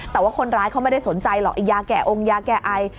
แต่ว่าคนร้ายเขาไม่ได้สนใจหรอกไอ้ยาแก่องค์ยาแก่ไอ